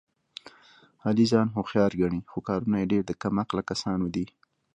علي ځان هوښیار ګڼي، خو کارونه یې ډېر د کم عقله کسانو دي.